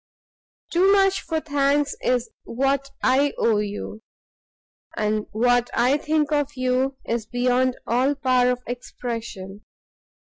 Too much for thanks is what I owe you, and what I think of you is beyond all power of expression.